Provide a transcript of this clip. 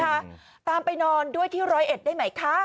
ตามไปนอนด้วยที่ร้อยเอ็ดได้ไหมคะ